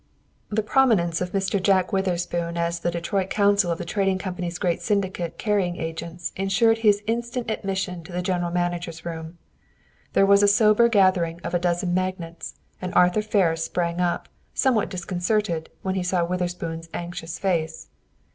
The prominence of Mr. John Witherspoon as the Detroit counsel of the Trading Company's great syndicate carrying agents insured his instant admission to the general manager's room. There was a sober gathering of a dozen magnates, and Arthur Ferris sprang up, somewhat disconcerted, when he saw Witherspoon's anxious face.